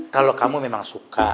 kalau kamu memang suka